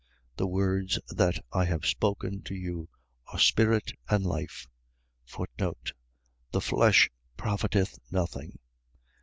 The words that I have spoken to you are spirit and life. The flesh profiteth nothing.